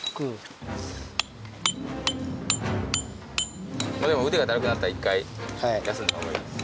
でも腕がだるくなったら一回休んだ方がいいです。